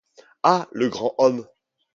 Ah, le grand homme !